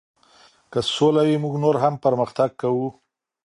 که سوله وي موږ نور هم پرمختګ کوو.